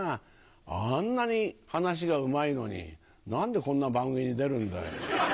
あんなにはなしがうまいのに、なんでこんな番組に出るんだよ。